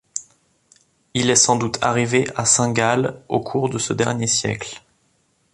Il est sans doute arrivé à Saint-Gall au cours de ce dernier siècle.